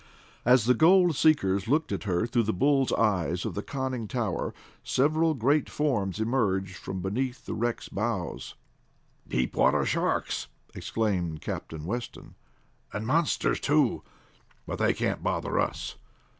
As the gold seekers looked at her through the bull's eyes of the conning tower, several great forms emerged from beneath the wreck's bows. "Deep water sharks!" exclaimed Captain Weston, "and monsters, too. But they can't bother us.